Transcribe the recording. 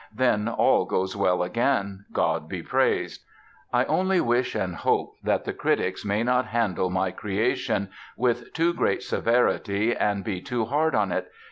Then all goes well again, God be praised. I only wish and hope that the critics may not handle my 'Creation' with too great severity and be too hard on it.